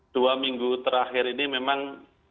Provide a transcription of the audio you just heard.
dua minggu terakhir ini memang